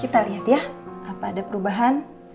kita lihat ya apa ada perubahan